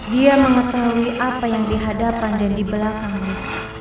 dia mengetahui apa yang dihadapan dan di belakangnya